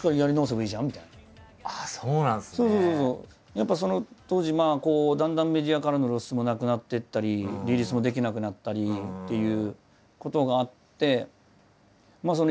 やっぱその当時だんだんメディアからの露出もなくなっていったりリリースもできなくなったりっていうことがあって。